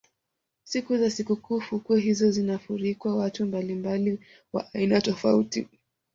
siku za sikukuu fukwe hizo zinafurika watu mbalimbali wa aina tofauti